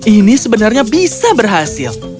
ini sebenarnya bisa berhasil